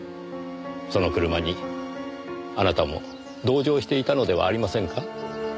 その車にあなたも同乗していたのではありませんか？